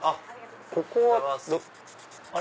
ここはあれ？